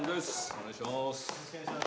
お願いします。